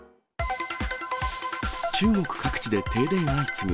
中国各地で停電相次ぐ。